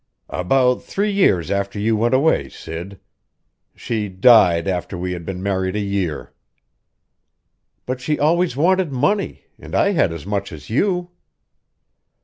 "About three years after you went away, Sid. She died after we had been married a year." "But she always wanted money, and I had as much as you."